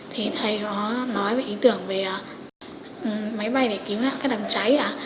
thì thầy có nói về ý tưởng về máy bay để cứu ra các đám cháy ạ